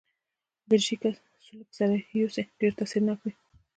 دریشي که له سلوکه سره یوسې، ډېر تاثیرناک وي.